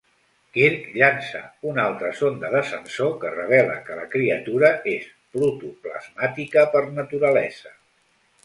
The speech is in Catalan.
Kirk llança una altra sonda de sensor, que revela que la criatura és protoplasmàtica per naturalesa.